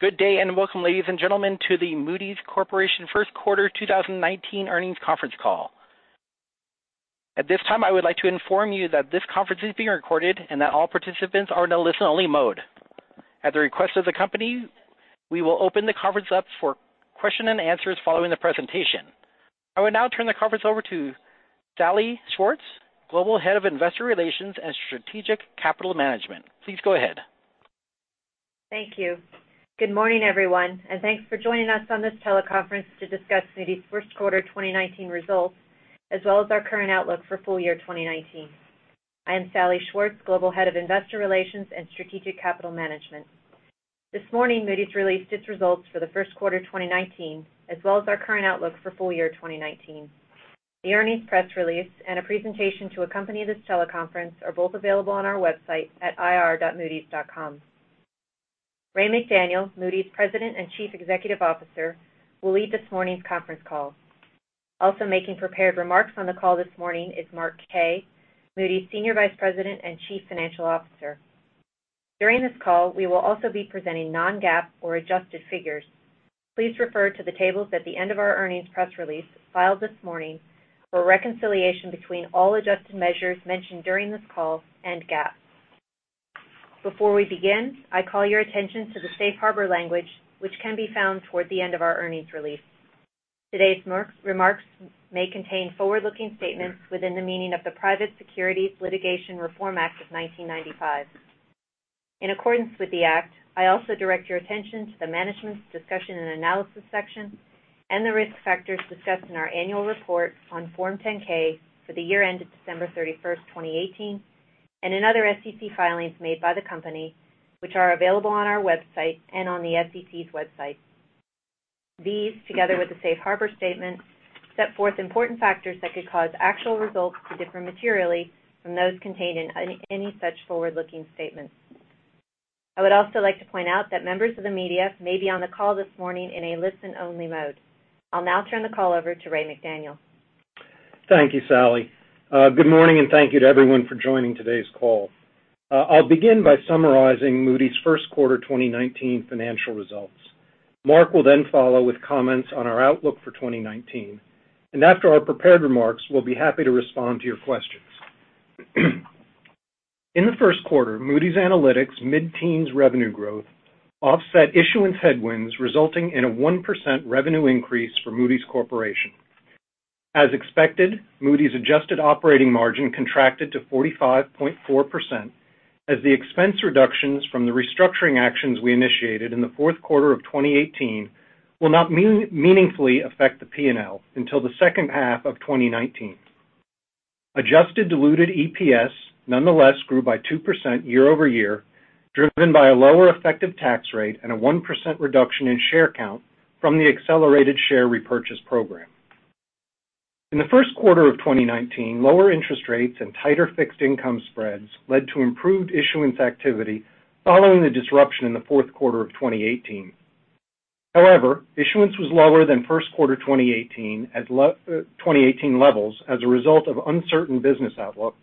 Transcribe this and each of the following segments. Good day. Welcome, ladies and gentlemen, to the Moody's Corporation First Quarter 2019 Earnings Conference Call. At this time, I would like to inform you that this conference is being recorded and that all participants are in a listen-only mode. At the request of the company, we will open the conference up for question and answers following the presentation. I will now turn the conference over to Salli Schwartz, Global Head of Investor Relations and Strategic Capital Management. Please go ahead. Thank you. Good morning, everyone. Thanks for joining us on this teleconference to discuss Moody's First Quarter 2019 results, as well as our current outlook for full year 2019. I am Salli Schwartz, Global Head of Investor Relations and Strategic Capital Management. This morning, Moody's released its results for the First Quarter 2019, as well as our current outlook for full year 2019. The earnings press release and a presentation to accompany this teleconference are both available on our website at ir.moodys.com. Raymond McDaniel, Moody's President and Chief Executive Officer, will lead this morning's conference call. Also making prepared remarks on the call this morning is Mark Kaye, Moody's Senior Vice President and Chief Financial Officer. During this call, we will also be presenting non-GAAP or adjusted figures. Please refer to the tables at the end of our earnings press release filed this morning for a reconciliation between all adjusted measures mentioned during this call and GAAP. Before we begin, I call your attention to the safe harbor language, which can be found toward the end of our earnings release. Today's remarks may contain forward-looking statements within the meaning of the Private Securities Litigation Reform Act of 1995. In accordance with the act, I also direct your attention to the Management's Discussion and Analysis section and the risk factors discussed in our annual report on Form 10-K for the year ended December 31st, 2018, and in other SEC filings made by the company, which are available on our website and on the SEC's website. These, together with the safe harbor statement, set forth important factors that could cause actual results to differ materially from those contained in any such forward-looking statements. I would also like to point out that members of the media may be on the call this morning in a listen-only mode. I'll now turn the call over to Raymond McDaniel. Thank you, Salli. Good morning, thank you to everyone for joining today's call. I'll begin by summarizing Moody's first quarter 2019 financial results. Mark will then follow with comments on our outlook for 2019. After our prepared remarks, we'll be happy to respond to your questions. In the first quarter, Moody's Analytics' mid-teens revenue growth offset issuance headwinds, resulting in a 1% revenue increase for Moody's Corporation. As expected, Moody's adjusted operating margin contracted to 45.4% as the expense reductions from the restructuring actions we initiated in the fourth quarter of 2018 will not meaningfully affect the P&L until the second half of 2019. Adjusted diluted EPS nonetheless grew by 2% year-over-year, driven by a lower effective tax rate and a 1% reduction in share count from the accelerated share repurchase program. In the first quarter of 2019, lower interest rates and tighter fixed income spreads led to improved issuance activity following the disruption in the fourth quarter of 2018. Issuance was lower than first quarter 2018 levels as a result of uncertain business outlook.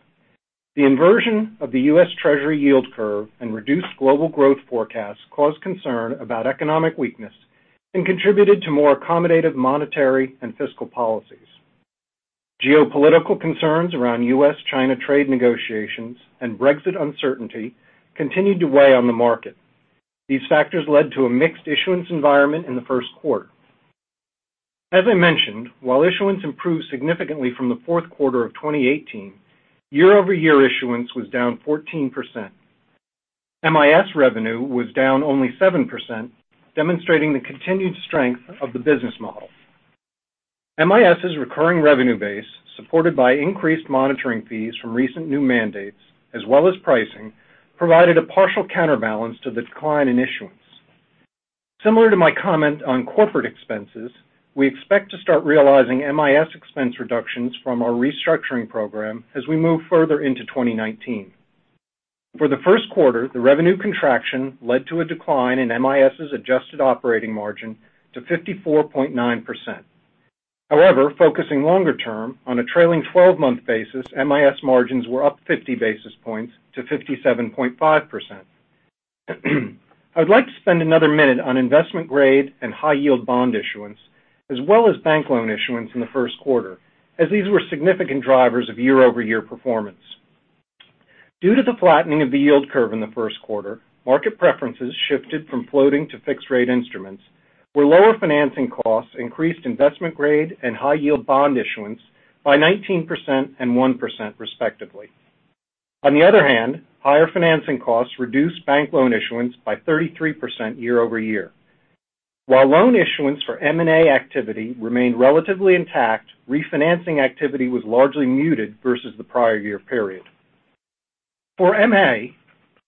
The inversion of the US Treasury yield curve and reduced global growth forecasts caused concern about economic weakness and contributed to more accommodative monetary and fiscal policies. Geopolitical concerns around US-China trade negotiations and Brexit uncertainty continued to weigh on the market. These factors led to a mixed issuance environment in the first quarter. As I mentioned, while issuance improved significantly from the fourth quarter of 2018, year-over-year issuance was down 14%. MIS revenue was down only 7%, demonstrating the continued strength of the business model. MIS' recurring revenue base, supported by increased monitoring fees from recent new mandates as well as pricing, provided a partial counterbalance to the decline in issuance. Similar to my comment on corporate expenses, we expect to start realizing MIS expense reductions from our restructuring program as we move further into 2019. For the first quarter, the revenue contraction led to a decline in MIS' adjusted operating margin to 54.9%. Focusing longer term, on a trailing 12-month basis, MIS margins were up 50 basis points to 57.5%. I would like to spend another minute on investment-grade and high-yield bond issuance, as well as bank loan issuance in the first quarter, as these were significant drivers of year-over-year performance. Due to the flattening of the yield curve in the first quarter, market preferences shifted from floating to fixed-rate instruments, where lower financing costs increased investment-grade and high-yield bond issuance by 19% and 1%, respectively. Higher financing costs reduced bank loan issuance by 33% year-over-year. While loan issuance for M&A activity remained relatively intact, refinancing activity was largely muted versus the prior year period. For MA,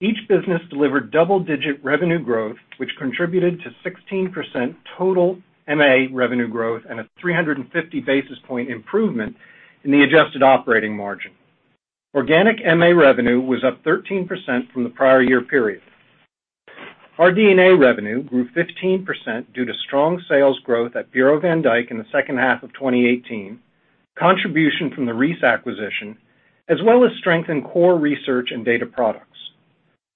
each business delivered double-digit revenue growth, which contributed to 16% total MA revenue growth and a 350 basis point improvement in the adjusted operating margin. Organic MA revenue was up 13% from the prior year period. RD&A revenue grew 15% due to strong sales growth at Bureau van Dijk in the second half of 2018. Contribution from the Reis acquisition, as well as strength in core research and data products.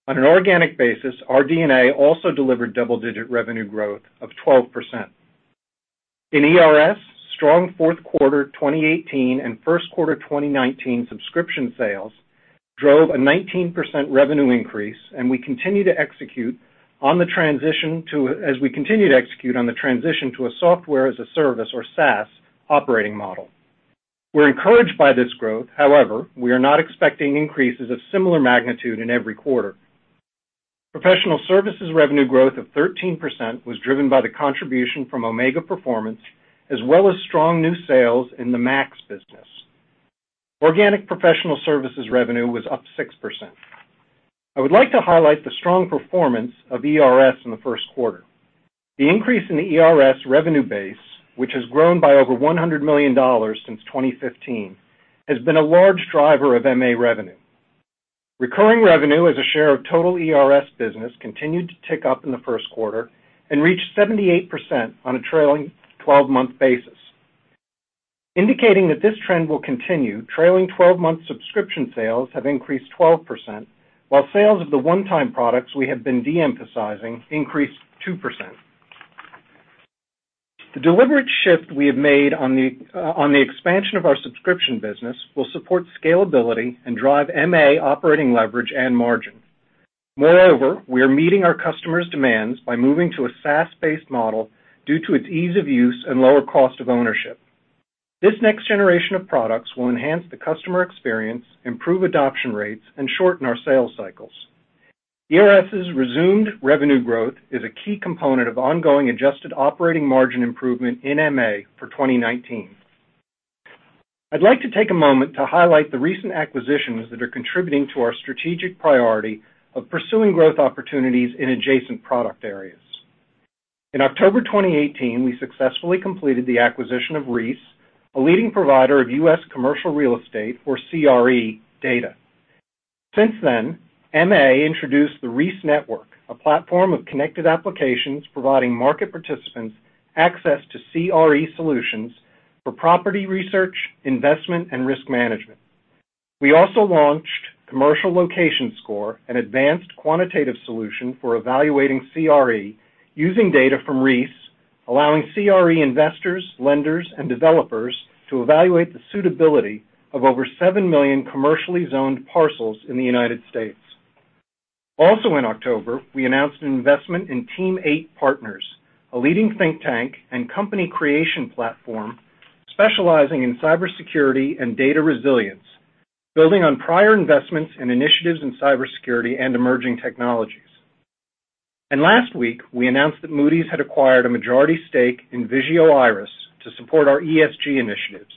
On an organic basis, our RD&A also delivered double-digit revenue growth of 12%. In ERS, strong fourth quarter 2018 and first quarter 2019 subscription sales drove a 19% revenue increase, and we continue to execute on the transition to a Software as a Service, or SaaS, operating model. We're encouraged by this growth. However, we are not expecting increases of similar magnitude in every quarter. Professional services revenue growth of 13% was driven by the contribution from Omega Performance, as well as strong new sales in the Max business. Organic professional services revenue was up 6%. I would like to highlight the strong performance of ERS in the first quarter. The increase in the ERS revenue base, which has grown by over $100 million since 2015, has been a large driver of MA revenue. Recurring revenue as a share of total ERS business continued to tick up in the first quarter and reached 78% on a trailing 12-month basis. Indicating that this trend will continue, trailing 12-month subscription sales have increased 12%, while sales of the one-time products we have been de-emphasizing increased 2%. The deliberate shift we have made on the expansion of our subscription business will support scalability and drive MA operating leverage and margin. Moreover, we are meeting our customers' demands by moving to a SaaS-based model due to its ease of use and lower cost of ownership. This next generation of products will enhance the customer experience, improve adoption rates, and shorten our sales cycles. ERS's resumed revenue growth is a key component of ongoing adjusted operating margin improvement in MA for 2019. I'd like to take a moment to highlight the recent acquisitions that are contributing to our strategic priority of pursuing growth opportunities in adjacent product areas. In October 2018, we successfully completed the acquisition of Reis, a leading provider of U.S. commercial real estate, or CRE, data. Since then, MA introduced the REIS Network, a platform of connected applications providing market participants access to CRE solutions for property research, investment, and risk management. We also launched Commercial Location Score, an advanced quantitative solution for evaluating CRE using data from Reis, allowing CRE investors, lenders, and developers to evaluate the suitability of over 7 million commercially zoned parcels in the U.S. Also in October, we announced an investment in Team8 Partners, a leading think tank and company creation platform specializing in cybersecurity and data resilience, building on prior investments and initiatives in cybersecurity and emerging technologies. Last week, we announced that Moody's had acquired a majority stake in Vigeo Eiris to support our ESG initiatives.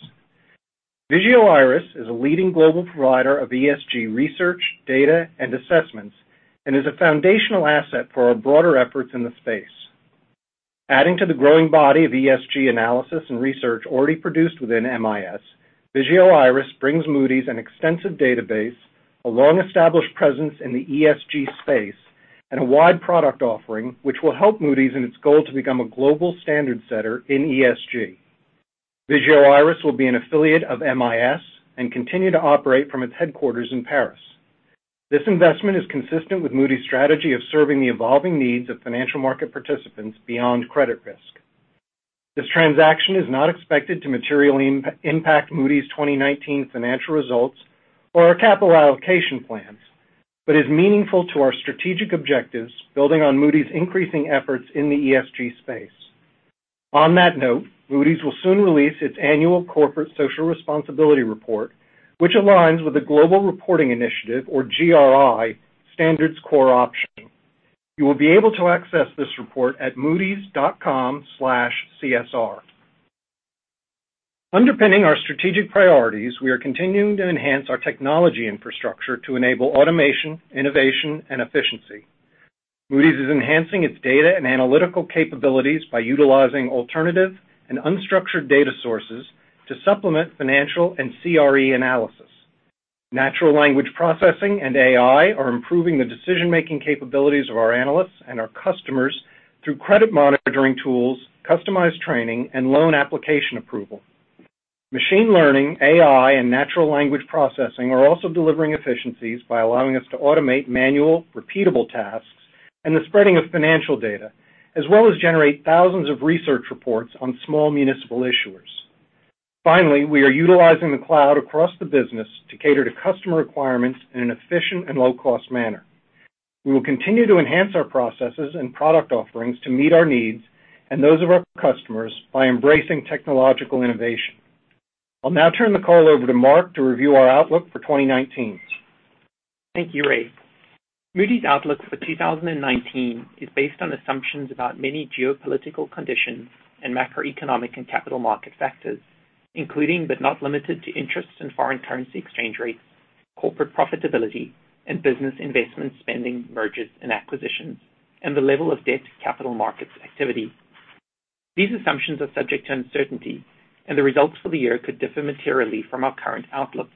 Vigeo Eiris is a leading global provider of ESG research, data, and assessments, and is a foundational asset for our broader efforts in the space. Adding to the growing body of ESG analysis and research already produced within MIS, Vigeo Eiris brings Moody's an extensive database, a long-established presence in the ESG space, and a wide product offering, which will help Moody's in its goal to become a global standard-setter in ESG. Vigeo Eiris will be an affiliate of MIS and continue to operate from its headquarters in Paris. This investment is consistent with Moody's strategy of serving the evolving needs of financial market participants beyond credit risk. This transaction is not expected to materially impact Moody's 2019 financial results or our capital allocation plans, but is meaningful to our strategic objectives, building on Moody's increasing efforts in the ESG space. On that note, Moody's will soon release its annual corporate social responsibility report, which aligns with the Global Reporting Initiative, or GRI, standards core option. You will be able to access this report at moodys.com/csr. Underpinning our strategic priorities, we are continuing to enhance our technology infrastructure to enable automation, innovation, and efficiency. Moody's is enhancing its data and analytical capabilities by utilizing alternative and unstructured data sources to supplement financial and CRE analysis. Natural language processing and AI are improving the decision-making capabilities of our analysts and our customers through credit monitoring tools, customized training, and loan application approval. Machine learning, AI, and natural language processing are also delivering efficiencies by allowing us to automate manual repeatable tasks and the spreading of financial data, as well as generate thousands of research reports on small municipal issuers. We are utilizing the cloud across the business to cater to customer requirements in an efficient and low-cost manner. We will continue to enhance our processes and product offerings to meet our needs and those of our customers by embracing technological innovation. I'll now turn the call over to Mark to review our outlook for 2019. Thank you, Ray. Moody's outlook for 2019 is based on assumptions about many geopolitical conditions and macroeconomic and capital market factors, including but not limited to interest and foreign currency exchange rates, corporate profitability, and business investment spending, mergers and acquisitions, and the level of debt capital markets activity. The results for the year could differ materially from our current outlook.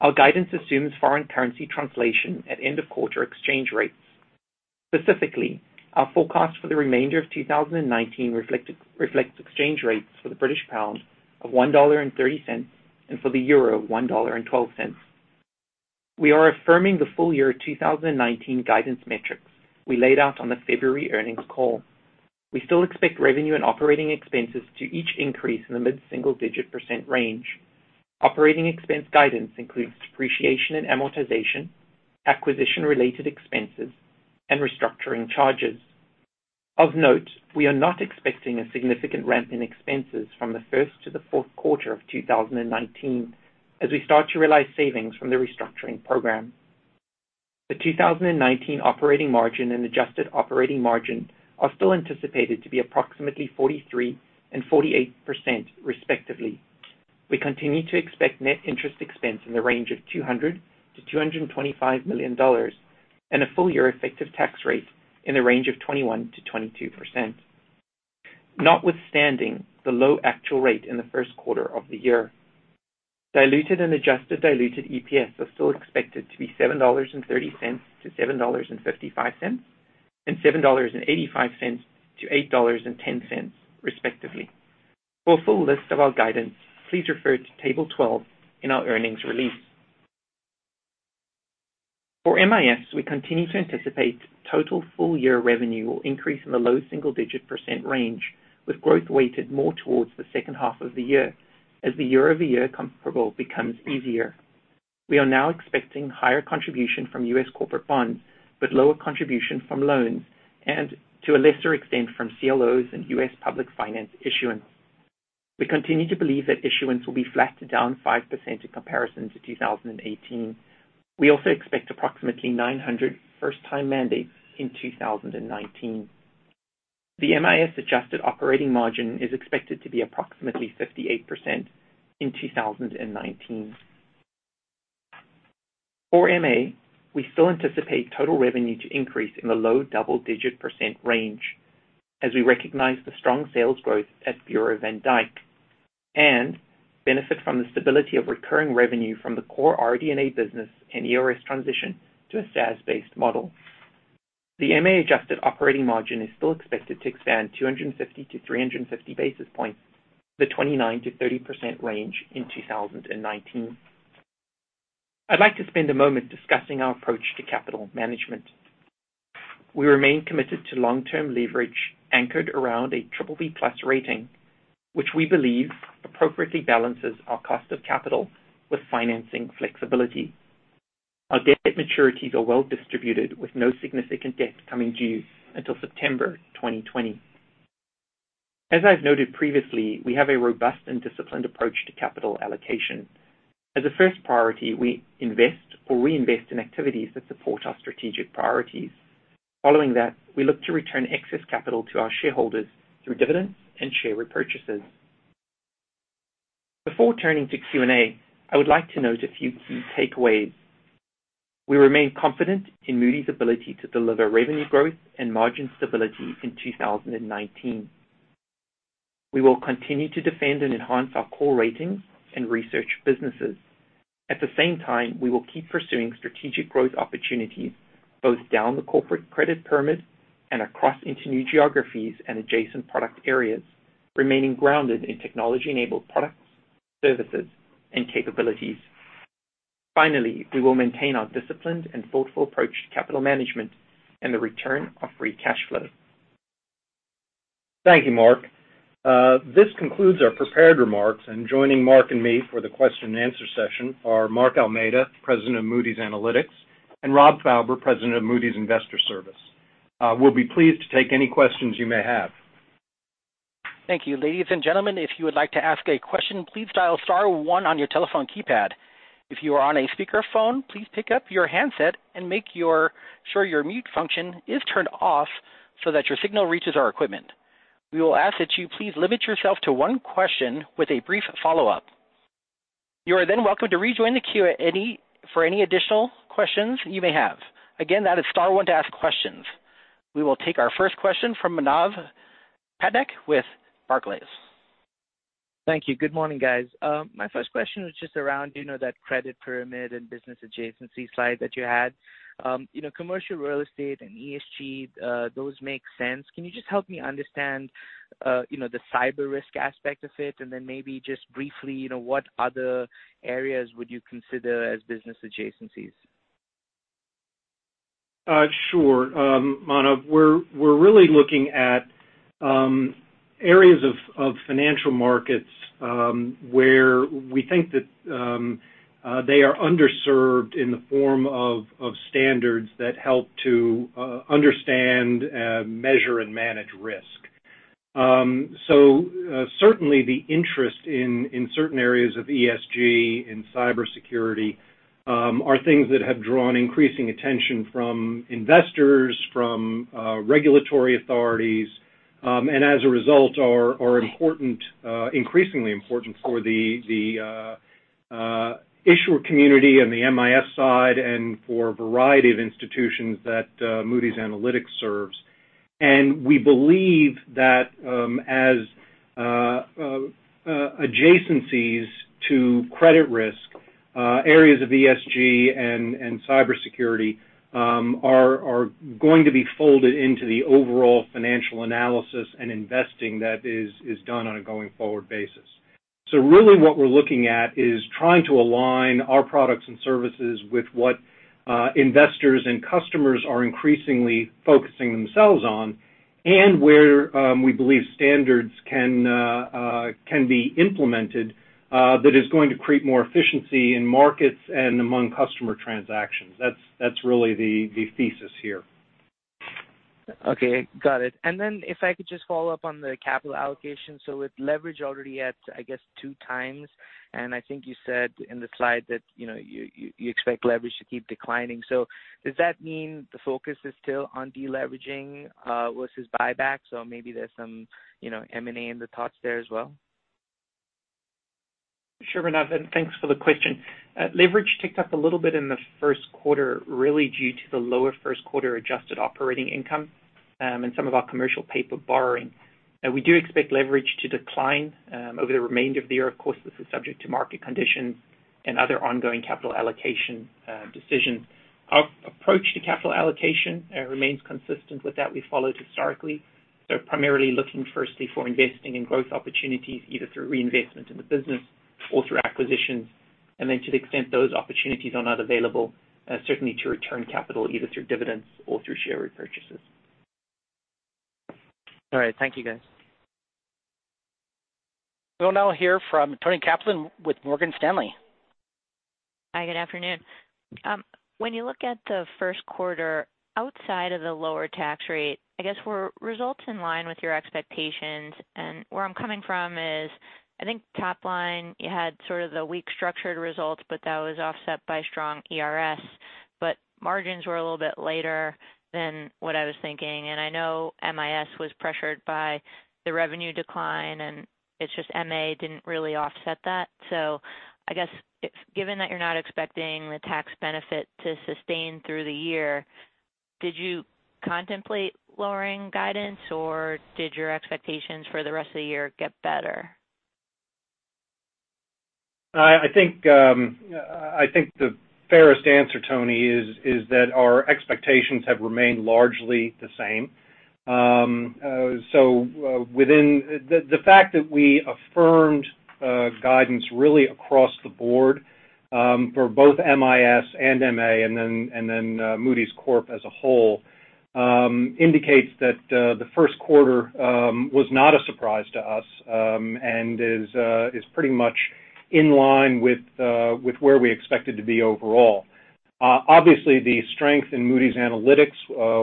Our guidance assumes foreign currency translation at end of quarter exchange rates. Specifically, our forecast for the remainder of 2019 reflects exchange rates for the British pound of $1.30 and for the euro, $1.12. We are affirming the full year 2019 guidance metrics we laid out on the February earnings call. We still expect revenue and operating expenses to each increase in the mid-single-digit % range. Operating expense guidance includes depreciation and amortization, acquisition-related expenses, and restructuring charges. Of note, we are not expecting a significant ramp in expenses from the first to the fourth quarter of 2019, as we start to realize savings from the restructuring program. The 2019 operating margin and adjusted operating margin are still anticipated to be approximately 43% and 48%, respectively. We continue to expect net interest expense in the range of $200 million-$225 million, and a full-year effective tax rate in the range of 21%-22%, notwithstanding the low actual rate in the first quarter of the year. Diluted and adjusted diluted EPS are still expected to be $7.30-$7.55 and $7.85-$8.10, respectively. For a full list of our guidance, please refer to Table 12 in our earnings release. For MIS, we continue to anticipate total full-year revenue will increase in the low single-digit % range, with growth weighted more towards the second half of the year, as the year-over-year comparable becomes easier. We are now expecting higher contribution from U.S. corporate bonds, but lower contribution from loans, and to a lesser extent, from CLOs and U.S. public finance issuance. We continue to believe that issuance will be flat to down 5% in comparison to 2018. We also expect approximately 900 first-time mandates in 2019. The MIS adjusted operating margin is expected to be approximately 58% in 2019. For MA, we still anticipate total revenue to increase in the low double-digit % range as we recognize the strong sales growth at Bureau van Dijk and benefit from the stability of recurring revenue from the core RD&A business and ERS transition to a SaaS-based model. The MA adjusted operating margin is still expected to expand 250 to 350 basis points, the 29%-30% range in 2019. I'd like to spend a moment discussing our approach to capital management. We remain committed to long-term leverage anchored around a triple B plus rating, which we believe appropriately balances our cost of capital with financing flexibility. Our debt maturities are well distributed, with no significant debt coming due until September 2020. As I've noted previously, we have a robust and disciplined approach to capital allocation. As a first priority, we invest or reinvest in activities that support our strategic priorities. Following that, we look to return excess capital to our shareholders through dividends and share repurchases. Before turning to Q&A, I would like to note a few key takeaways. We remain confident in Moody's ability to deliver revenue growth and margin stability in 2019. We will continue to defend and enhance our core ratings and research businesses. At the same time, we will keep pursuing strategic growth opportunities, both down the corporate credit pyramid and across into new geographies and adjacent product areas, remaining grounded in technology-enabled products, services, and capabilities. Finally, we will maintain our disciplined and thoughtful approach to capital management and the return of free cash flow. Thank you, Mark. This concludes our prepared remarks, joining Mark and me for the question and answer session are Mark Almeida, President of Moody's Analytics, and Rob Fauber, President of Moody's Investors Service. We'll be pleased to take any questions you may have. Thank you. Ladies and gentlemen, if you would like to ask a question, please dial star one on your telephone keypad. If you are on a speakerphone, please pick up your handset and make sure your mute function is turned off so that your signal reaches our equipment. We will ask that you please limit yourself to one question with a brief follow-up. You are then welcome to rejoin the queue for any additional questions you may have. Again, that is star one to ask questions. We will take our first question from Manav Patnaik with Barclays. Thank you. Good morning, guys. My first question was just around that credit pyramid and business adjacency slide that you had. Commercial real estate and ESG, those make sense. Can you just help me understand the cyber risk aspect of it, and then maybe just briefly, what other areas would you consider as business adjacencies? Sure. Manav, we're really looking at areas of financial markets where we think that they are underserved in the form of standards that help to understand, measure, and manage risk. Certainly the interest in certain areas of ESG and cybersecurity are things that have drawn increasing attention from investors, from regulatory authorities, and as a result, are increasingly important for the issuer community and the MIS side and for a variety of institutions that Moody's Analytics serves. We believe that as adjacencies to credit risk, areas of ESG and cybersecurity are going to be folded into the overall financial analysis and investing that is done on a going forward basis. Really what we're looking at is trying to align our products and services with what investors and customers are increasingly focusing themselves on, and where we believe standards can be implemented that is going to create more efficiency in markets and among customer transactions. That's really the thesis here. Okay. Got it. If I could just follow up on the capital allocation. With leverage already at, I guess, two times, and I think you said in the slide that you expect leverage to keep declining. Does that mean the focus is still on de-leveraging versus buyback? Maybe there's some M&A in the thoughts there as well. Sure, Manav, thanks for the question. Leverage ticked up a little bit in the first quarter, really due to the lower first quarter adjusted operating income, and some of our commercial paper borrowing. We do expect leverage to decline over the remainder of the year. Of course, this is subject to market conditions and other ongoing capital allocation decisions. Our approach to capital allocation remains consistent with that we followed historically. Primarily looking firstly for investing in growth opportunities, either through reinvestment in the business or through acquisitions. Then to the extent those opportunities are not available, certainly to return capital either through dividends or through share repurchases. All right. Thank you guys. We'll now hear from Toni Kaplan with Morgan Stanley. Hi, good afternoon. When you look at the first quarter outside of the lower tax rate, I guess were results in line with your expectations, and where I'm coming from is, I think top line, you had sort of the weak structured results, but that was offset by strong ERS. Margins were a little bit later than what I was thinking, and I know MIS was pressured by the revenue decline, and it's just MA didn't really offset that. I guess given that you're not expecting the tax benefit to sustain through the year, did you contemplate lowering guidance, or did your expectations for the rest of the year get better? I think the fairest answer, Toni, is that our expectations have remained largely the same. The fact that we affirmed guidance really across the board, for both MIS and MA and then Moody's Corp as a whole, indicates that the first quarter was not a surprise to us, and is pretty much in line with where we expected to be overall. Obviously, the strength in Moody's Analytics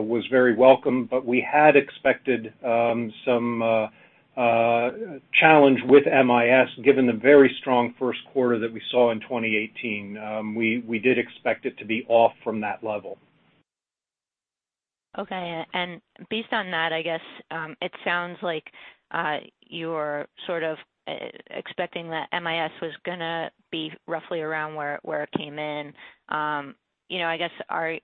was very welcome, but we had expected some challenge with MIS given the very strong first quarter that we saw in 2018. We did expect it to be off from that level. Okay. Based on that, I guess, it sounds like you were sort of expecting that MIS was going to be roughly around where it came in. I guess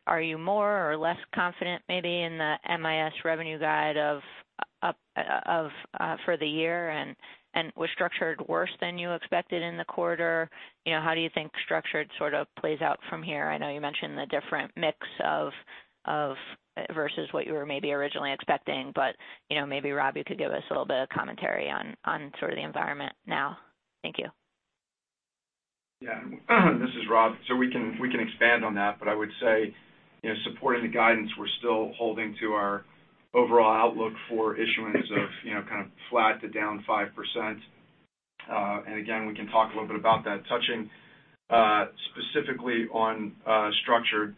are you more or less confident maybe in the MIS revenue guide for the year, and was structured worse than you expected in the quarter? How do you think structured sort of plays out from here? I know you mentioned the different mix versus what you were maybe originally expecting, but maybe Rob, you could give us a little bit of commentary on sort of the environment now. Thank you. Yeah. This is Rob. We can expand on that, but I would say supporting the guidance, we're still holding to our overall outlook for issuance of kind of flat to down 5%. Again, we can talk a little bit about that. Touching specifically on structured,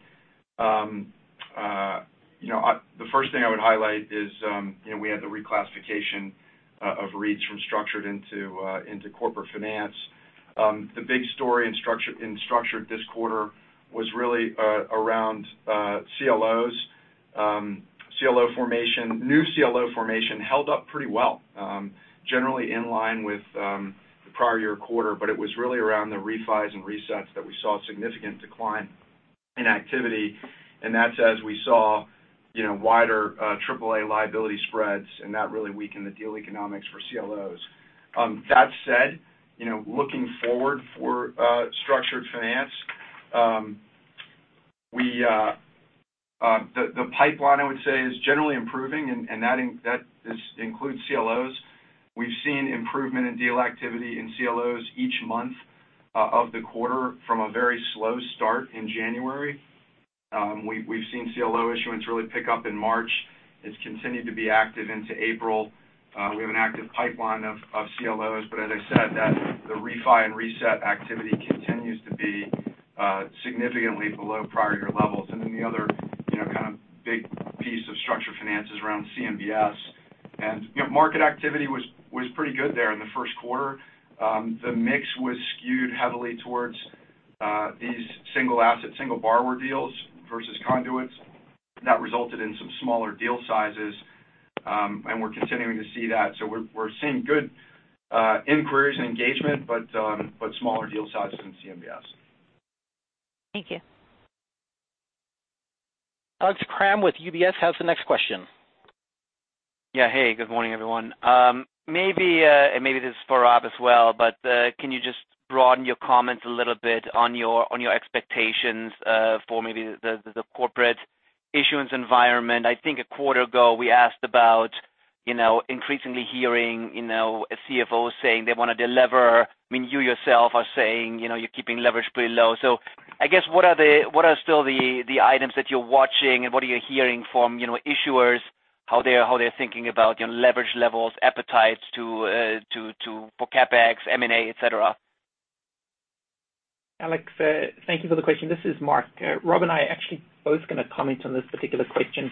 the first thing I would highlight is we had the reclassification of REITs from structured into corporate finance. The big story in structured this quarter was really around CLOs. New CLO formation held up pretty well, generally in line with the prior year quarter, but it was really around the refis and resets that we saw significant decline in activity. That's as we saw wider AAA liability spreads, and that really weakened the deal economics for CLOs. That said, looking forward for structured finance, the pipeline, I would say, is generally improving, and that includes CLOs. We've seen improvement in deal activity in CLOs each month of the quarter from a very slow start in January. We've seen CLO issuance really pick up in March. It's continued to be active into April. We have an active pipeline of CLOs, as I said, the refi and reset activity continues to be significantly below prior year levels. The other kind of big piece of structured finance is around CMBS. Market activity was pretty good there in the first quarter. The mix was skewed heavily towards these single asset, single borrower deals versus conduits. That resulted in some smaller deal sizes, and we're continuing to see that. We're seeing good inquiries and engagement, but smaller deal sizes in CMBS. Thank you. Alex Kramm with UBS has the next question. Yeah. Hey, good morning, everyone. Maybe this is for Rob as well. Can you just broaden your comments a little bit on your expectations for maybe the corporate issuance environment? I think a quarter ago we asked about increasingly hearing a CFO saying they want to delever. You yourself are saying you're keeping leverage pretty low. I guess, what are still the items that you're watching and what are you hearing from issuers, how they're thinking about leverage levels, appetites for CapEx, M&A, et cetera? Alex, thank you for the question. This is Mark. Rob and I are actually both going to comment on this particular question.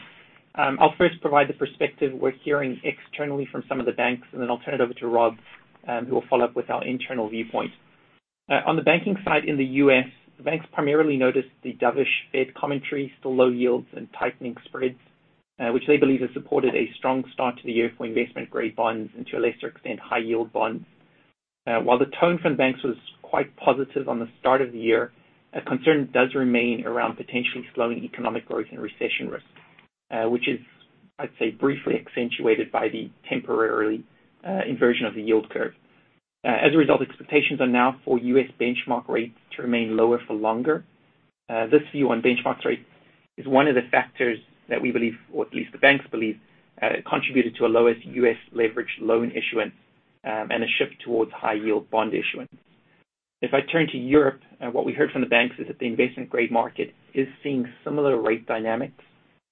I'll first provide the perspective we're hearing externally from some of the banks, and then I'll turn it over to Rob, who will follow up with our internal viewpoint. On the banking side in the U.S., the banks primarily noticed the dovish Fed commentary, still low yields and tightening spreads, which they believe has supported a strong start to the year for investment-grade bonds and to a lesser extent, high-yield bonds. While the tone from banks was quite positive on the start of the year, a concern does remain around potentially slowing economic growth and recession risk, which is, I'd say, briefly accentuated by the temporarily inversion of the yield curve. As a result, expectations are now for U.S. benchmark rates to remain lower for longer. This view on benchmark rates is one of the factors that we believe, or at least the banks believe, contributed to a lowest U.S. leveraged loan issuance and a shift towards high-yield bond issuance. If I turn to Europe, what we heard from the banks is that the investment-grade market is seeing similar rate dynamics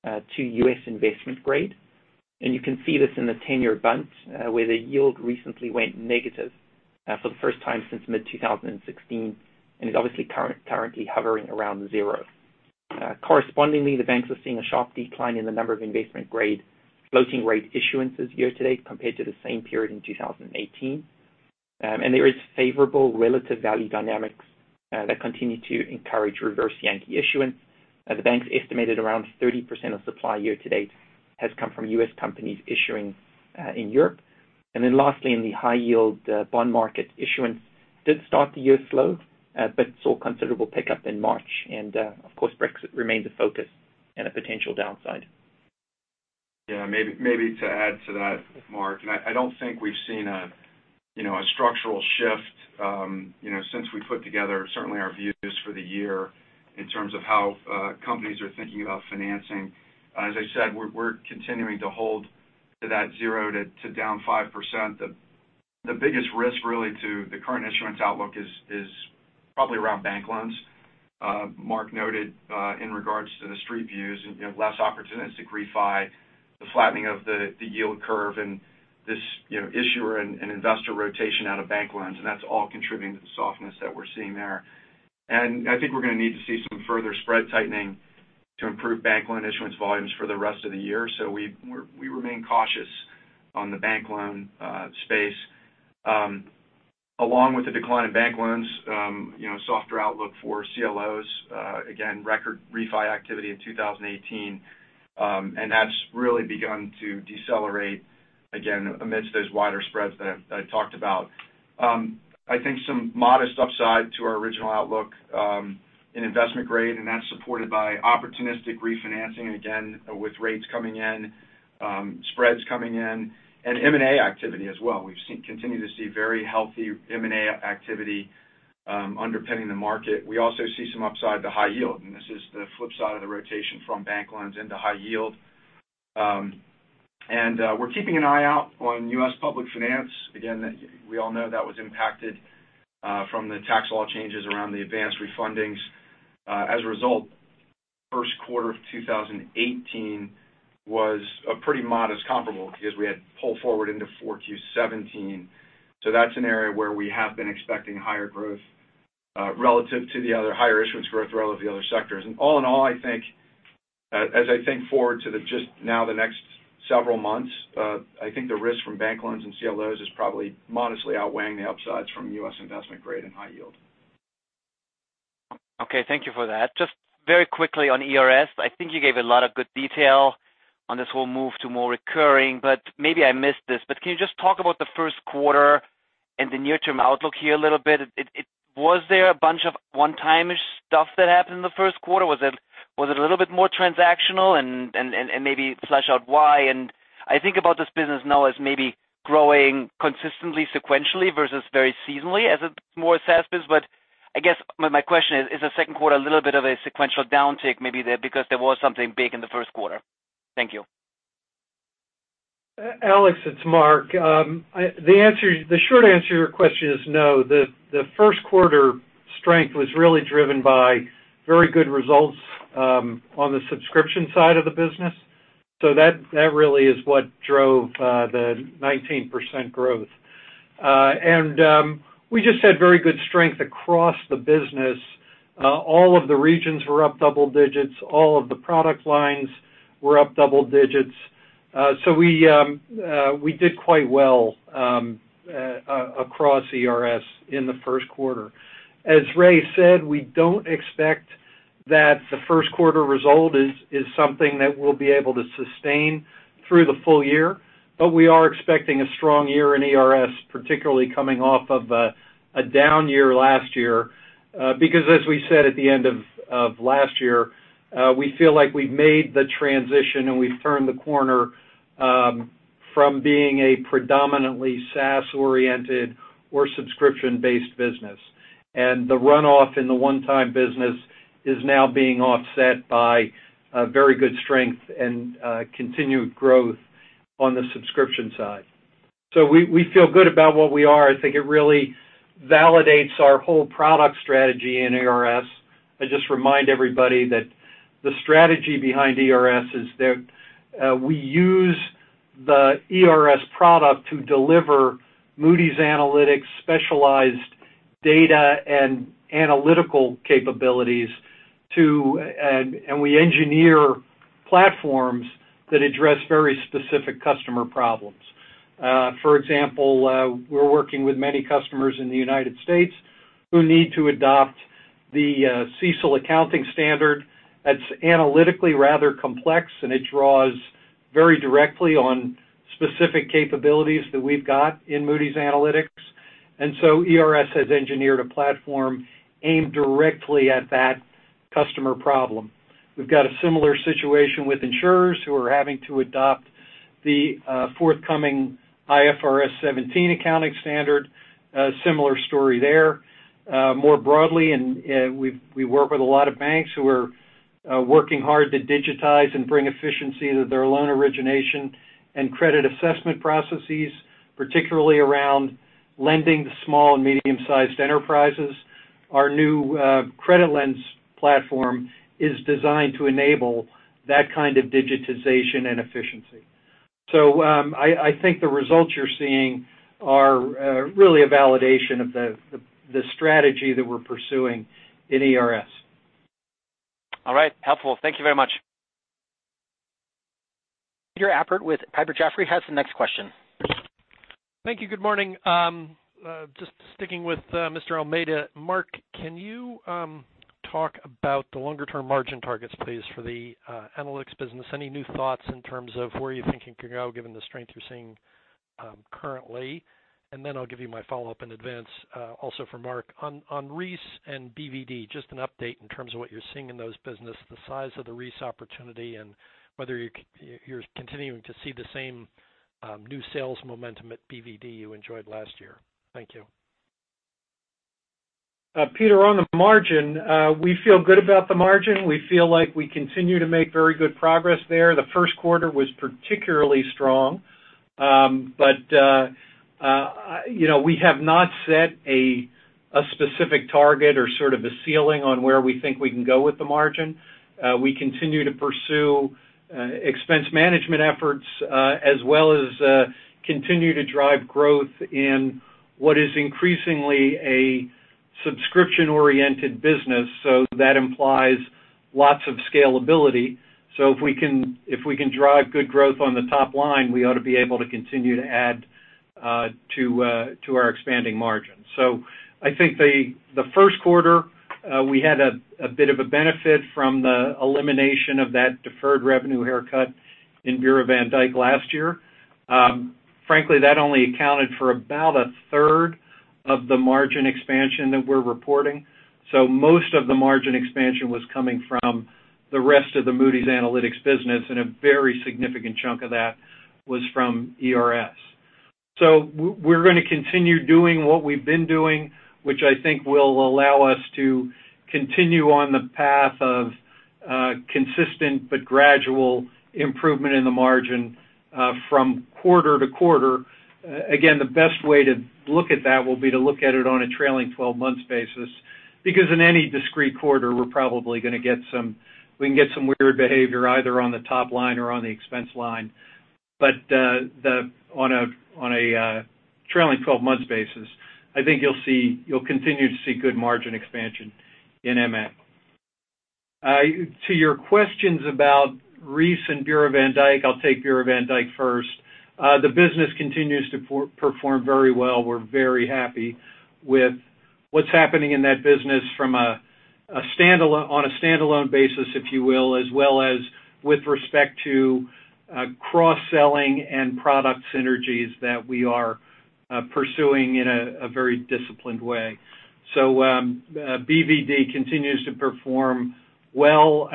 to U.S. investment grade. You can see this in the 10-year Bund, where the yield recently went negative for the first time since mid-2016 and is obviously currently hovering around zero. Correspondingly, the banks are seeing a sharp decline in the number of investment-grade floating rate issuances year-to-date compared to the same period in 2018. There is favorable relative value dynamics that continue to encourage reverse Yankee issuance. The banks estimated around 30% of supply year-to-date has come from U.S. companies issuing in Europe. Lastly, in the high-yield bond market issuance did start the year slow, but saw considerable pickup in March. Of course, Brexit remains a focus and a potential downside. Yeah, maybe to add to that, Mark, I don't think we've seen a structural shift since we put together certainly our views for the year in terms of how companies are thinking about financing. As I said, we're continuing to hold to that 0% to down 5%. The biggest risk really to the current issuance outlook is probably around bank loans. Mark noted in regards to the street views, less opportunistic refi, the flattening of the yield curve, and this issuer and investor rotation out of bank loans. That's all contributing to the softness that we're seeing there. I think we're going to need to see some further spread tightening to improve bank loan issuance volumes for the rest of the year. We remain cautious on the bank loan space. Along with the decline in bank loans, softer outlook for CLOs. Record refi activity in 2018. That's really begun to decelerate again amidst those wider spreads that I talked about. I think some modest upside to our original outlook in investment grade, that's supported by opportunistic refinancing, again, with rates coming in, spreads coming in, M&A activity as well. We continue to see very healthy M&A activity underpinning the market. We also see some upside to high yield, this is the flip side of the rotation from bank loans into high yield. We're keeping an eye out on U.S. public finance. We all know that was impacted from the tax law changes around the advanced refundings. As a result, first quarter of 2018 was a pretty modest comparable because we had to pull forward into 4Q 2017. That's an area where we have been expecting higher growth relative to the other higher issuance growth relative to the other sectors. All in all, as I think forward to just now the next several months, I think the risk from bank loans and CLOs is probably modestly outweighing the upsides from U.S. investment grade and high yield. Okay. Thank you for that. Just very quickly on ERS, I think you gave a lot of good detail on this whole move to more recurring, maybe I missed this. Can you just talk about the first quarter and the near-term outlook here a little bit? Was there a bunch of one-time-ish stuff that happened in the first quarter? Was it a little bit more transactional? Maybe flesh out why. I think about this business now as maybe growing consistently sequentially versus very seasonally as a more SaaS biz. I guess my question is the second quarter a little bit of a sequential downtick maybe there because there was something big in the first quarter? Thank you. Alex, it's Mark. The short answer to your question is no. The first quarter strength was really driven by very good results on the subscription side of the business. That really is what drove the 19% growth. We just had very good strength across the business. All of the regions were up double digits. All of the product lines were up double digits. We did quite well across ERS in the first quarter. As Ray said, we don't expect that the first quarter result is something that we'll be able to sustain through the full year. We are expecting a strong year in ERS, particularly coming off of a down year last year. Because as we said at the end of last year, we feel like we've made the transition, and we've turned the corner from being a predominantly SaaS-oriented or subscription-based business. The runoff in the one-time business is now being offset by very good strength and continued growth on the subscription side. We feel good about what we are. I think it really validates our whole product strategy in ERS. I just remind everybody that the strategy behind ERS is that we use the ERS product to deliver Moody's Analytics specialized data and analytical capabilities to. We engineer platforms that address very specific customer problems. For example, we're working with many customers in the U.S. who need to adopt the CECL accounting standard. That's analytically rather complex, and it draws very directly on specific capabilities that we've got in Moody's Analytics. ERS has engineered a platform aimed directly at that customer problem. We've got a similar situation with insurers who are having to adopt the forthcoming IFRS 17 accounting standard. A similar story there. More broadly, we work with a lot of banks who are working hard to digitize and bring efficiency to their loan origination and credit assessment processes, particularly around lending to small and medium-sized enterprises. Our new CreditLens platform is designed to enable that kind of digitization and efficiency. I think the results you're seeing are really a validation of the strategy that we're pursuing in ERS. All right. Helpful. Thank you very much. Peter Appert with Piper Jaffray has the next question. Thank you. Good morning. Just sticking with Mr. Almeida. Mark, can you talk about the longer-term margin targets, please, for the Analytics business? Any new thoughts in terms of where you think it can go given the strength you're seeing currently? I'll give you my follow-up in advance also for Mark. On Reis and BvD, just an update in terms of what you're seeing in those businesses, the size of the Reis opportunity, and whether you're continuing to see the same new sales momentum at BvD you enjoyed last year. Thank you. Peter, on the margin, we feel good about the margin. We feel like we continue to make very good progress there. The first quarter was particularly strong. We have not set a specific target or sort of a ceiling on where we think we can go with the margin. We continue to pursue expense management efforts as well as continue to drive growth in what is increasingly a subscription-oriented business. That implies lots of scalability. If we can drive good growth on the top line, we ought to be able to continue to add to our expanding margin. I think the first quarter, we had a bit of a benefit from the elimination of that deferred revenue haircut in Bureau van Dijk last year. Frankly, that only accounted for about a third of the margin expansion that we're reporting. Most of the margin expansion was coming from the rest of the Moody's Analytics business, and a very significant chunk of that was from ERS. We're going to continue doing what we've been doing, which I think will allow us to continue on the path of consistent but gradual improvement in the margin from quarter to quarter. Again, the best way to look at that will be to look at it on a trailing 12-month basis, because in any discrete quarter, we're probably going to get some weird behavior either on the top line or on the expense line. On a trailing 12-month basis, I think you'll continue to see good margin expansion in MA. To your questions about Reis and Bureau van Dijk, I'll take Bureau van Dijk first. The business continues to perform very well. We're very happy with what's happening in that business on a standalone basis, if you will, as well as with respect to cross-selling and product synergies that we are pursuing in a very disciplined way. BvD continues to perform well.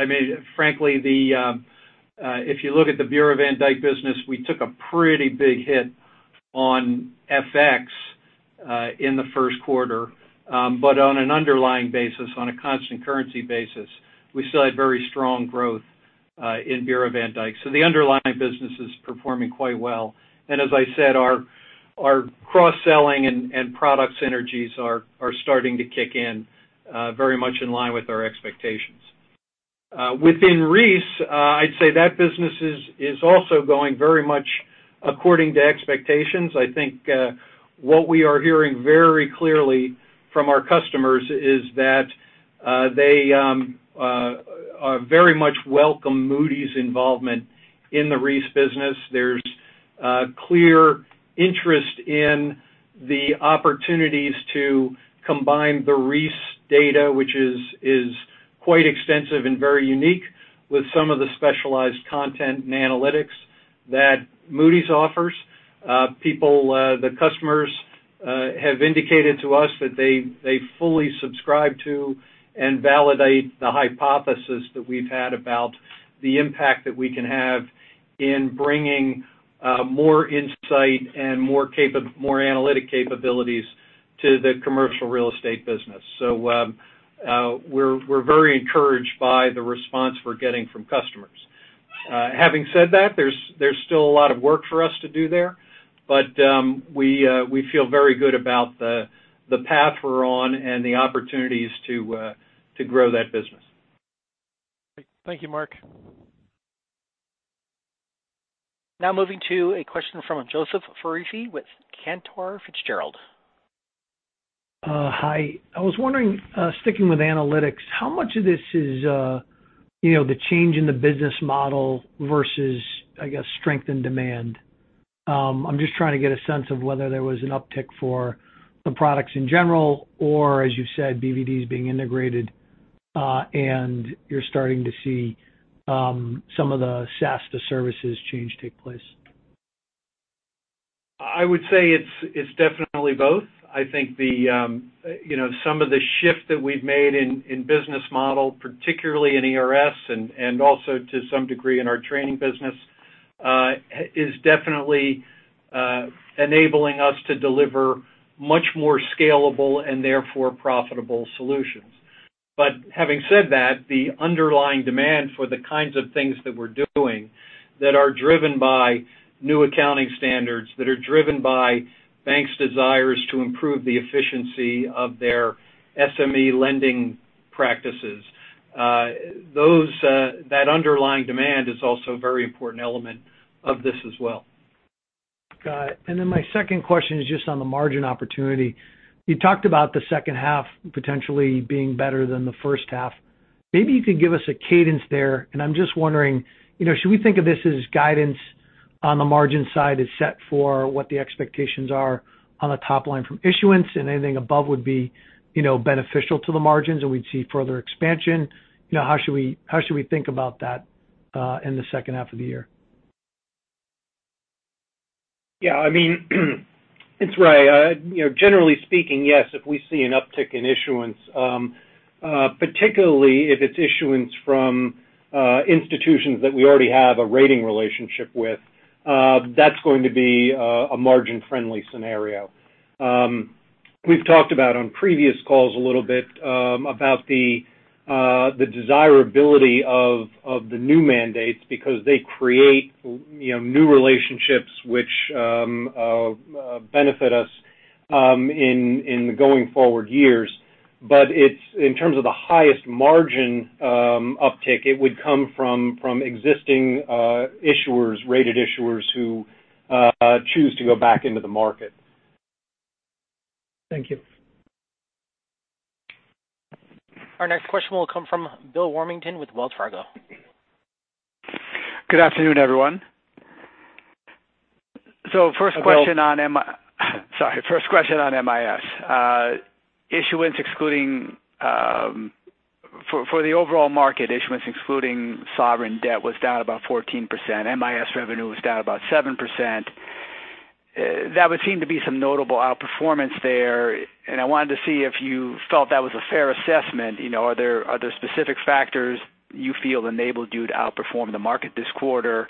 Frankly, if you look at the Bureau van Dijk business, we took a pretty big hit on FX in the first quarter. On an underlying basis, on a constant currency basis, we still had very strong growth in Bureau van Dijk. The underlying business is performing quite well. As I said, our cross-selling and product synergies are starting to kick in very much in line with our expectations. Within Reis, I'd say that business is also going very much according to expectations. I think what we are hearing very clearly from our customers is that they very much welcome Moody's involvement in the Reis business. There's clear interest in the opportunities to combine the Reis data, which is quite extensive and very unique with some of the specialized content and analytics that Moody's offers. People, the customers have indicated to us that they fully subscribe to and validate the hypothesis that we've had about the impact that we can have in bringing more insight and more analytic capabilities to the commercial real estate business. We're very encouraged by the response we're getting from customers. Having said that, there's still a lot of work for us to do there, but we feel very good about the path we're on and the opportunities to grow that business. Great. Thank you, Mark. Now moving to a question from Joseph Foresi with Cantor Fitzgerald. Hi. I was wondering, sticking with analytics, how much of this is the change in the business model versus, I guess, strength in demand? I'm just trying to get a sense of whether there was an uptick for the products in general, or as you said, BvD's being integrated, and you're starting to see some of the SaaS to services change take place. I would say it's definitely both. I think some of the shift that we've made in business model, particularly in ERS, and also to some degree in our training business, is definitely enabling us to deliver much more scalable and therefore profitable solutions. Having said that, the underlying demand for the kinds of things that we're doing that are driven by new accounting standards, that are driven by banks' desires to improve the efficiency of their SME lending practices. That underlying demand is also a very important element of this as well. Got it. Then my second question is just on the margin opportunity. You talked about the second half potentially being better than the first half. Maybe you could give us a cadence there, and I'm just wondering, should we think of this as guidance on the margin side is set for what the expectations are on the top line from issuance and anything above would be beneficial to the margins and we'd see further expansion? How should we think about that in the second half of the year? It's Ray. Generally speaking, yes, if we see an uptick in issuance, particularly if it's issuance from institutions that we already have a rating relationship with, that's going to be a margin-friendly scenario. We've talked about on previous calls a little bit about the desirability of the new mandates because they create new relationships which benefit us in the going forward years. In terms of the highest margin uptick, it would come from existing issuers, rated issuers who choose to go back into the market. Thank you. Our next question will come from Bill Warmington with Wells Fargo. Good afternoon, everyone. Sorry. First question on MIS. For the overall market, issuance excluding sovereign debt was down about 14%. MIS revenue was down about 7%. That would seem to be some notable outperformance there. I wanted to see if you felt that was a fair assessment. Are there specific factors you feel enabled you to outperform the market this quarter,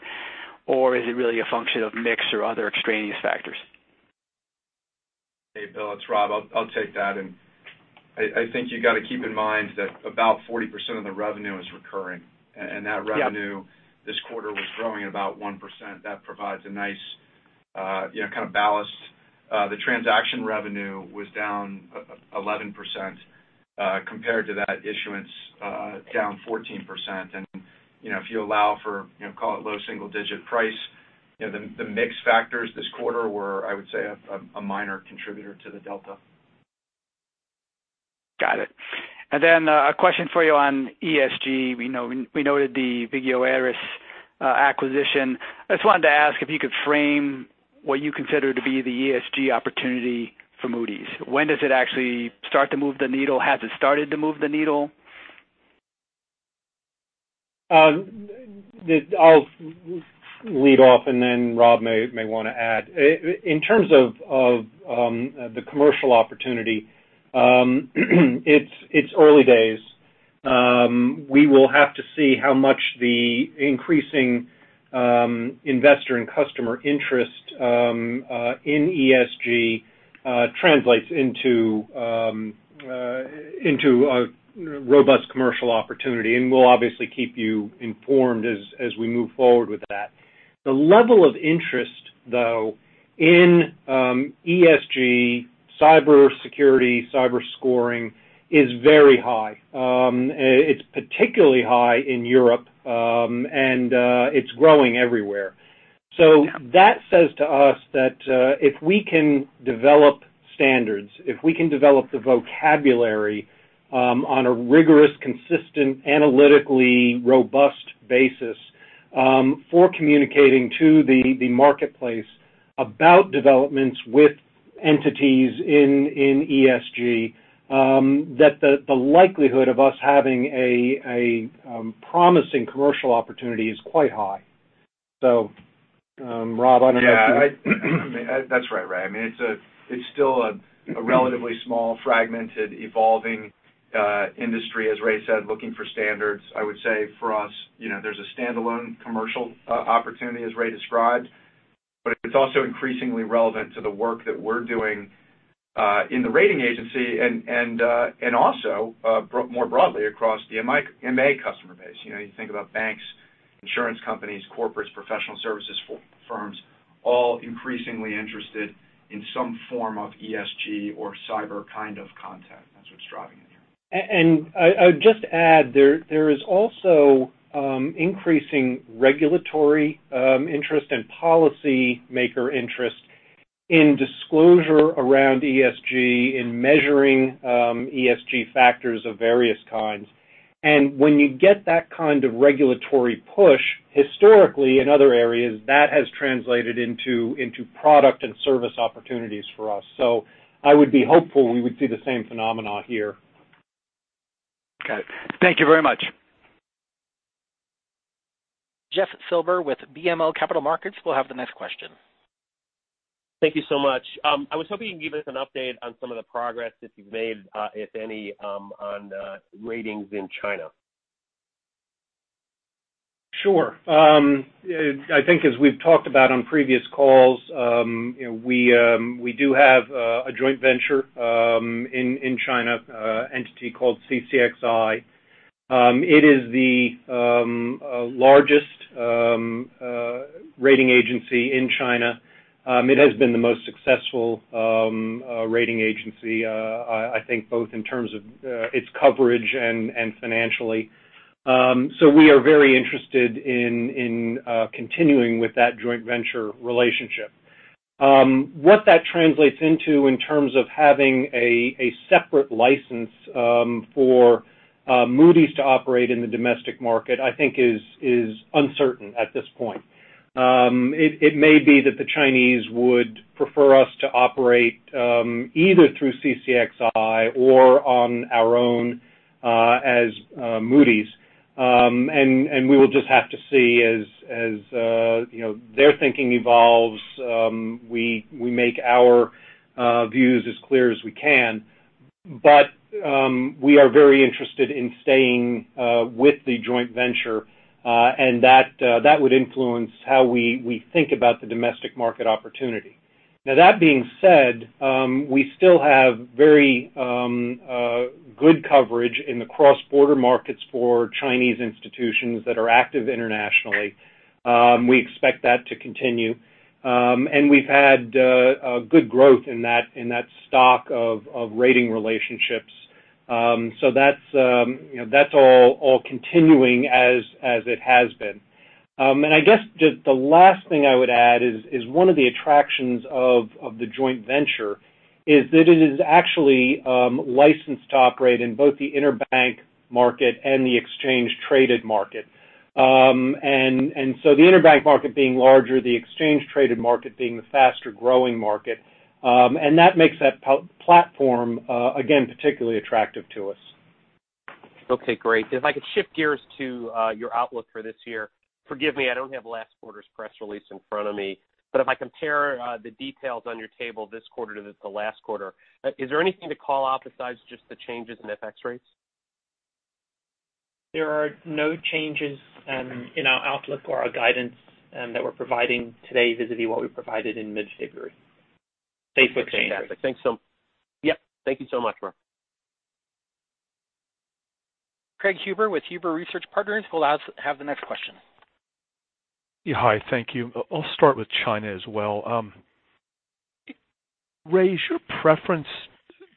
or is it really a function of mix or other extraneous factors? Hey, Bill, it's Rob. I'll take that. I think you got to keep in mind that about 40% of the revenue is recurring. Yeah. That revenue this quarter was growing at about 1%. That provides a nice kind of ballast. The transaction revenue was down 11% compared to that issuance down 14%. If you allow for call it low single digit price, the mix factors this quarter were, I would say, a minor contributor to the delta. Got it. A question for you on ESG. We noted the Vigeo Eiris acquisition. I just wanted to ask if you could frame what you consider to be the ESG opportunity for Moody's. When does it actually start to move the needle? Has it started to move the needle? I'll lead off, and then Rob may want to add. In terms of the commercial opportunity, it's early days. We will have to see how much the increasing investor and customer interest in ESG translates into a robust commercial opportunity, and we'll obviously keep you informed as we move forward with that. The level of interest, though, in ESG, cybersecurity, cyber scoring, is very high. It's particularly high in Europe, and it's growing everywhere. That says to us that if we can develop standards, if we can develop the vocabulary on a rigorous, consistent, analytically robust basis- for communicating to the marketplace about developments with entities in ESG, that the likelihood of us having a promising commercial opportunity is quite high. Rob, I don't know if you- That's right, Ray. It's still a relatively small, fragmented, evolving industry, as Ray said, looking for standards. I would say for us, there's a standalone commercial opportunity as Ray described, but it's also increasingly relevant to the work that we're doing in the rating agency and also more broadly across the MA customer base. You think about banks, insurance companies, corporates, professional services firms, all increasingly interested in some form of ESG or cyber kind of content. That's what's driving it here. I would just add, there is also increasing regulatory interest and policymaker interest in disclosure around ESG, in measuring ESG factors of various kinds. When you get that kind of regulatory push, historically in other areas, that has translated into product and service opportunities for us. I would be hopeful we would see the same phenomena here. Okay. Thank you very much. Jeffrey Silber with BMO Capital Markets will have the next question. Thank you so much. I was hoping you could give us an update on some of the progress that you've made, if any, on ratings in China. Sure. I think as we've talked about on previous calls, we do have a joint venture in China entity called CCXI. It is the largest rating agency in China. It has been the most successful rating agency, I think both in terms of its coverage and financially. We are very interested in continuing with that joint venture relationship. What that translates into in terms of having a separate license for Moody's to operate in the domestic market, I think is uncertain at this point. It may be that the Chinese would prefer us to operate either through CCXI or on our own as Moody's. We will just have to see as their thinking evolves, we make our views as clear as we can. We are very interested in staying with the joint venture, and that would influence how we think about the domestic market opportunity. That being said, we still have very good coverage in the cross-border markets for Chinese institutions that are active internationally. We expect that to continue. We've had good growth in that stock of rating relationships. That's all continuing as it has been. I guess just the last thing I would add is one of the attractions of the joint venture is that it is actually licensed to operate in both the interbank market and the exchange-traded market. The interbank market being larger, the exchange-traded market being the faster-growing market, and that makes that platform, again, particularly attractive to us. Okay, great. If I could shift gears to your outlook for this year. Forgive me, I don't have last quarter's press release in front of me, but if I compare the details on your table this quarter to the last quarter, is there anything to call out besides just the changes in FX rates? There are no changes in our outlook or our guidance that we're providing today vis-à-vis what we provided in mid-February. Safe with changes. Fantastic. Thank you so much, Mark. Craig Huber with Huber Research Partners will have the next question. Yeah, hi. Thank you. I'll start with China as well. Ray, is your preference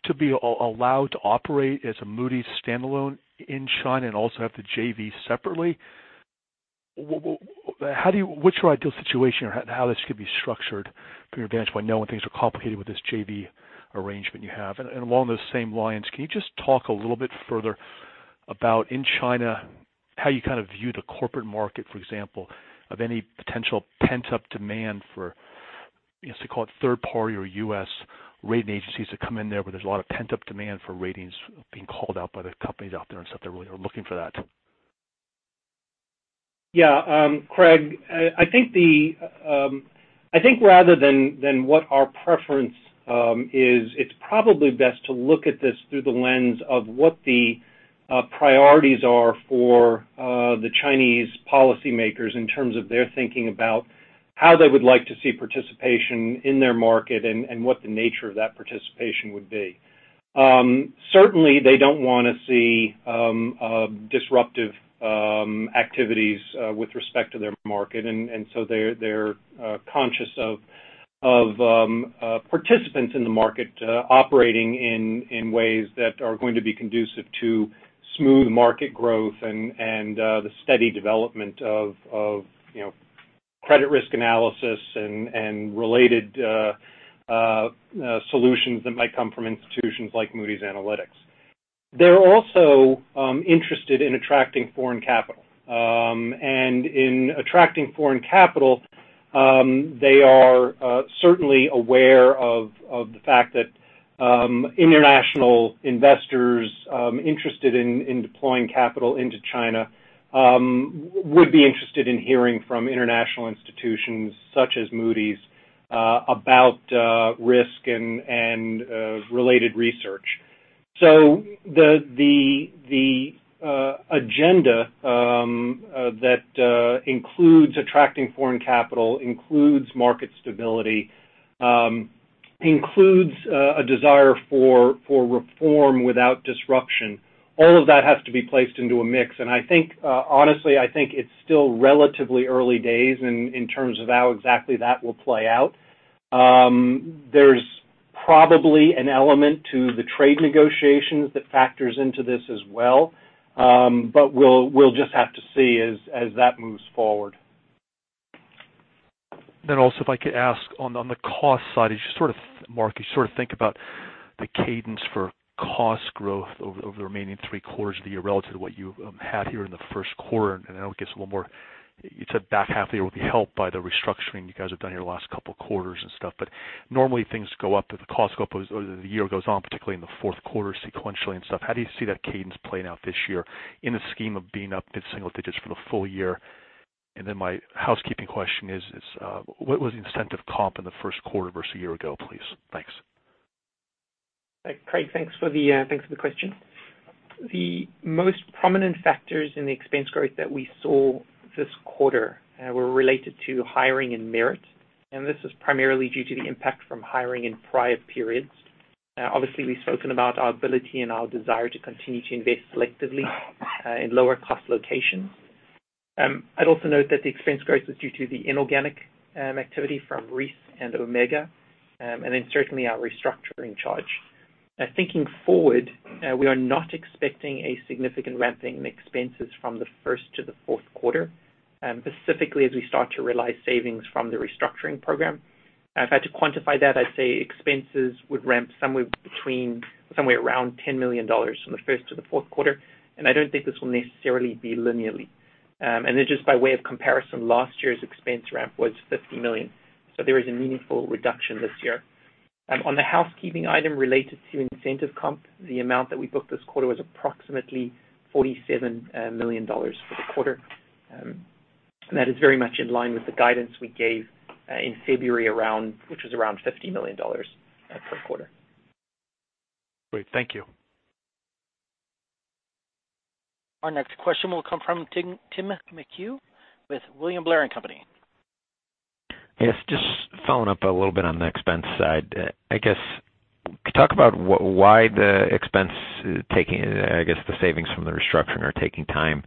to be allowed to operate as a Moody's standalone in China and also have the JV separately? What's your ideal situation how this could be structured from your vantage point now when things are complicated with this JV arrangement you have? Along those same lines, can you just talk a little bit further about in China, how you kind of view the corporate market, for example, of any potential pent-up demand for, let's call it third party or U.S. rating agencies to come in there where there's a lot of pent-up demand for ratings being called out by the companies out there and stuff that really are looking for that? Yeah. Craig, I think rather than what our preference is, it's probably best to look at this through the lens of what the priorities are for the Chinese policymakers in terms of their thinking about how they would like to see participation in their market and what the nature of that participation would be. Certainly, they don't want to see disruptive activities with respect to their market, they're conscious of participants in the market operating in ways that are going to be conducive to smooth market growth and the steady development of credit risk analysis and related solutions that might come from institutions like Moody's Analytics. They're also interested in attracting foreign capital. In attracting foreign capital, they are certainly aware of the fact that international investors interested in deploying capital into China would be interested in hearing from international institutions such as Moody's about risk and related research. The agenda that includes attracting foreign capital, includes market stability, includes a desire for reform without disruption. All of that has to be placed into a mix, and honestly, I think it's still relatively early days in terms of how exactly that will play out. There's probably an element to the trade negotiations that factors into this as well. We'll just have to see as that moves forward. Also, if I could ask on the cost side, Mark, you sort of think about the cadence for cost growth over the remaining three quarters of the year relative to what you had here in the first quarter. I know it gets a little more-- You said back half of the year will be helped by the restructuring you guys have done here the last couple quarters and stuff. Normally things go up or the cost goes up as the year goes on, particularly in the fourth quarter, sequentially and stuff. How do you see that cadence playing out this year in the scheme of being up mid-single digits for the full year? My housekeeping question is, what was incentive comp in the first quarter versus a year ago, please? Thanks. Craig, thanks for the question. The most prominent factors in the expense growth that we saw this quarter were related to hiring and merit. This is primarily due to the impact from hiring in prior periods. Obviously, we've spoken about our ability and our desire to continue to invest selectively in lower-cost locations. I'd also note that the expense growth was due to the inorganic activity from Reis and Omega, and then certainly our restructuring charge. Thinking forward, we are not expecting a significant ramping in expenses from the first to the fourth quarter, specifically as we start to realize savings from the restructuring program. If I had to quantify that, I'd say expenses would ramp somewhere around $10 million from the first to the fourth quarter, and I don't think this will necessarily be linearly. Just by way of comparison, last year's expense ramp was $50 million. There is a meaningful reduction this year. On the housekeeping item related to incentive comp, the amount that we booked this quarter was approximately $47 million for the quarter. That is very much in line with the guidance we gave in February, which was around $50 million per quarter. Great. Thank you. Our next question will come from Tim McHugh with William Blair & Company. Yes, just following up a little bit on the expense side. I guess, could you talk about why the expense, I guess the savings from the restructuring are taking time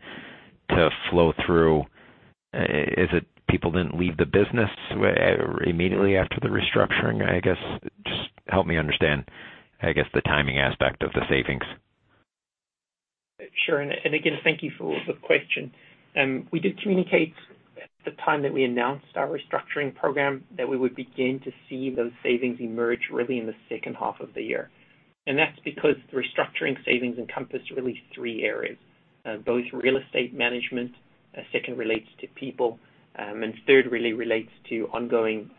to flow through. Is it people didn't leave the business immediately after the restructuring? I guess, just help me understand the timing aspect of the savings. Sure, again, thank you for the question. We did communicate at the time that we announced our restructuring program that we would begin to see those savings emerge really in the second half of the year. That's because the restructuring savings encompass really three areas. Both real estate management, second relates to people, and third really relates to ongoing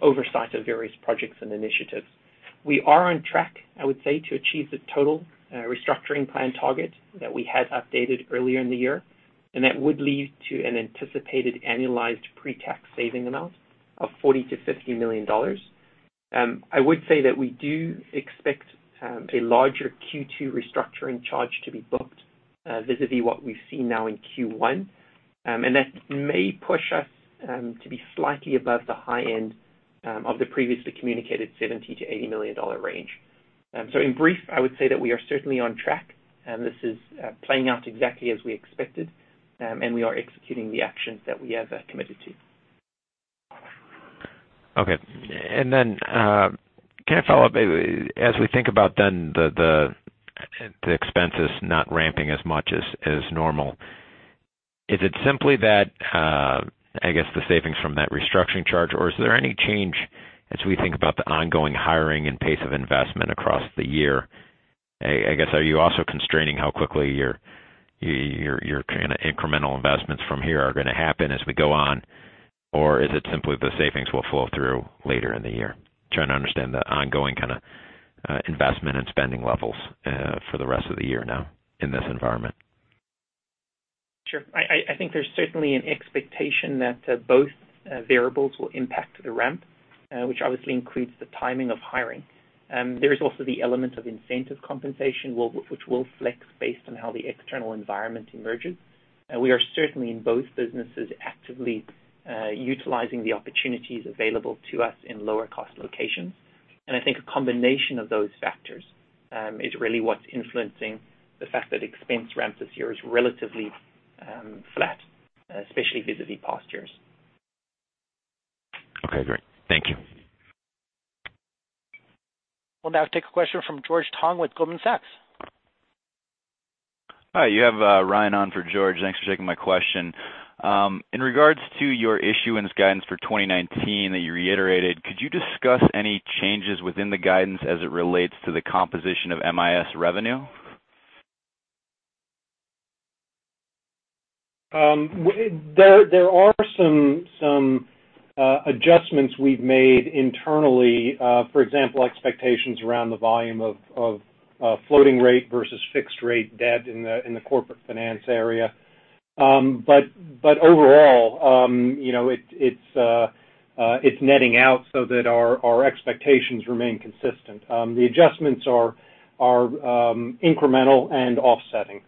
oversight of various projects and initiatives. We are on track, I would say, to achieve the total restructuring plan target that we had updated earlier in the year. That would lead to an anticipated annualized pre-tax saving amount of $40 million-$50 million. I would say that we do expect a larger Q2 restructuring charge to be booked vis-à-vis what we've seen now in Q1. That may push us to be slightly above the high end of the previously communicated $70 million-$80 million range. In brief, I would say that we are certainly on track. This is playing out exactly as we expected. We are executing the actions that we have committed to. Okay. Can I follow up? As we think about then the expenses not ramping as much as normal, is it simply that, I guess the savings from that restructuring charge, or is there any change as we think about the ongoing hiring and pace of investment across the year? I guess, are you also constraining how quickly your incremental investments from here are going to happen as we go on, or is it simply the savings will flow through later in the year? Trying to understand the ongoing kind of investment and spending levels for the rest of the year now in this environment. Sure. I think there's certainly an expectation that both variables will impact the ramp, which obviously includes the timing of hiring. There is also the element of incentive compensation, which will flex based on how the external environment emerges. We are certainly in both businesses actively utilizing the opportunities available to us in lower cost locations. I think a combination of those factors is really what's influencing the fact that expense ramps this year is relatively flat, especially vis-à-vis past years. Okay, great. Thank you. We'll now take a question from George Tong with Goldman Sachs. Hi, you have Ryan on for George. Thanks for taking my question. In regards to your issuance guidance for 2019 that you reiterated, could you discuss any changes within the guidance as it relates to the composition of MIS revenue? There are some adjustments we've made internally. For example, expectations around the volume of floating rate versus fixed rate debt in the corporate finance area. Overall, it's netting out so that our expectations remain consistent. The adjustments are incremental and offsetting.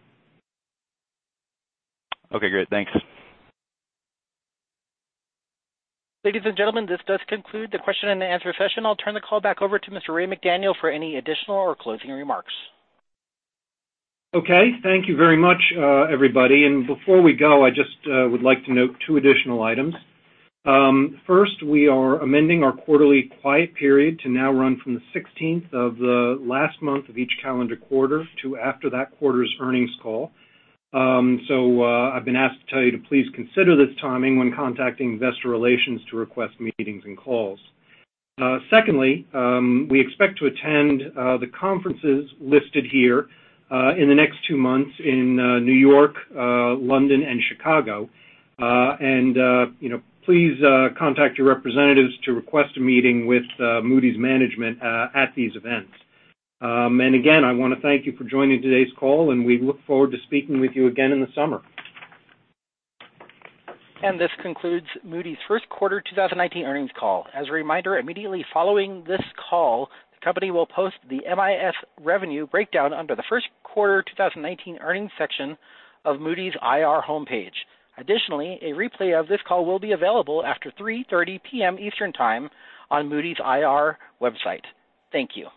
Okay, great. Thanks. Ladies and gentlemen, this does conclude the question and answer session. I'll turn the call back over to Mr. Raymond McDaniel for any additional or closing remarks. Okay. Thank you very much, everybody. Before we go, I just would like to note two additional items. First, we are amending our quarterly quiet period to now run from the 16th of the last month of each calendar quarter to after that quarter's earnings call. I've been asked to tell you to please consider this timing when contacting Investor Relations to request meetings and calls. Secondly, we expect to attend the conferences listed here in the next two months in New York, London, and Chicago. Please contact your representatives to request a meeting with Moody's management at these events. Again, I want to thank you for joining today's call, and we look forward to speaking with you again in the summer. This concludes Moody's first quarter 2019 earnings call. As a reminder, immediately following this call, the company will post the MIS revenue breakdown under the first quarter 2019 earnings section of Moody's IR homepage. Additionally, a replay of this call will be available after 3:30 P.M. Eastern Time on Moody's IR website. Thank you.